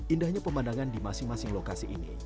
indahnya pemandangan di masing masing lokasi ini